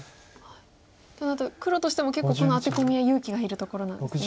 となると黒としても結構このアテコミは勇気がいるところなんですね。